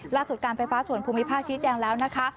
การไฟฟ้าส่วนภูมิภาคชี้แจงแล้วนะคะ